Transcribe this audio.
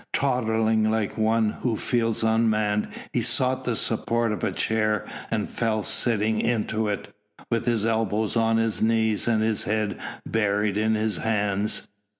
Tottering like one who feels unmanned, he sought the support of a chair and fell sitting into it, with his elbows on his knees and his head buried in his hands.